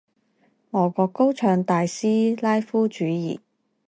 俄國高唱大斯拉夫主義